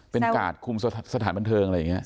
เป็นกาดคุมสถานบันเทิงอะไรอย่างนี้